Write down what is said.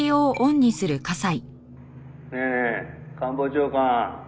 「ねえねえ官房長官」